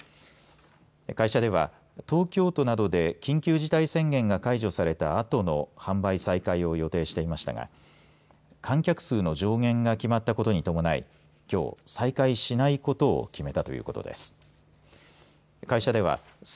会社では東京都などで緊急事態宣言が解除されたあとの販売再開を予定していましたが観客数の上限が決まったことに伴いきょう再開しないことを決めたということです。